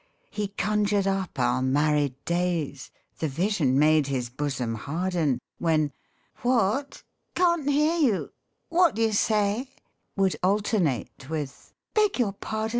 He conjured up our married days, The vision made his bosom harden, When "What ?"" Can't hear you." " What d'you say ?" Would alternate with " Beg your pardon !